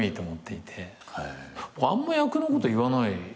あんま役のこと言わないですかね。